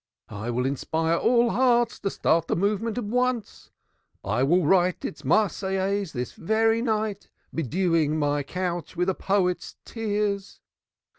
I will inspire all hearts to start the movement at once. I will write its Marseillaise this very night, bedewing my couch with a poet's tears.